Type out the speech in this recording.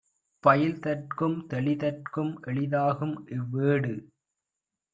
பயில்தற்கும் தெளிதற்கும் எளிதாகும் இவ்வேடு